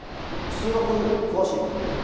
数学詳しいの？